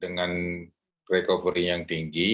dengan recovery yang tinggi